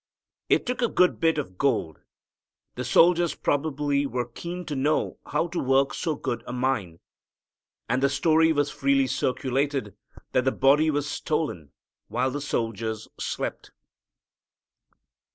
It took a good bit of gold. The soldiers probably were keen to know how to work so good a mine. And the story was freely circulated that the body was stolen while the soldiers slept.